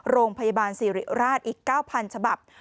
โรงพยาบาลสิริราชอีก๙๐๐ฉบับ